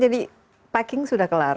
jadi packing sudah kelar